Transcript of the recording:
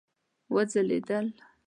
وځلیدل